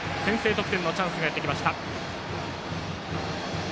得点のチャンスがやってきました。